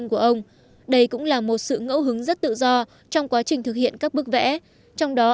của ông đây cũng là một sự ngẫu hứng rất tự do trong quá trình thực hiện các bức vẽ trong đó